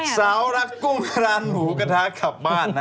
สาวรักกุ้งร้านหมูกระทะกลับบ้านนะ